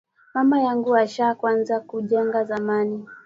Mama yangu asha kwanza ku jenga zamani